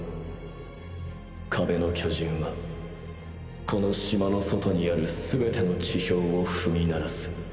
壁の巨人はこの島の外にあるすべての地表を踏み鳴らす。